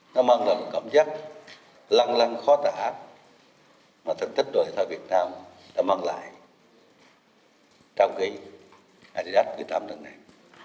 nó mang lại một cảm giác lăng lăng khó tả mà thành tích đoàn thể thao việt nam đã mang lại trong cái adidas thứ tám lần này